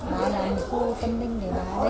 và là một khu tân ninh để bà